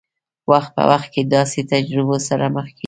وخت په وخت له داسې تجربو سره مخ کېږي.